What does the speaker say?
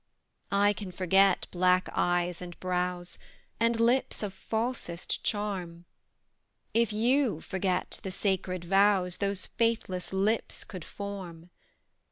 I can forget black eyes and brows, And lips of falsest charm, If you forget the sacred vows Those faithless lips could form.